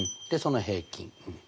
でその平均。